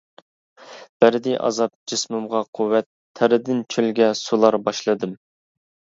بەردى ئازاب جىسمىمغا قۇۋۋەت، تەردىن چۆلگە سۇلار باشلىدىم.